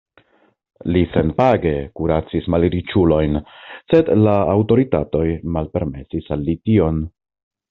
Li senpage kuracis malriĉulojn, sed la aŭtoritatoj malpermesis al li tion.